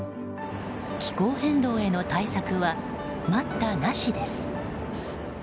気候変動への対策は待ったなしです。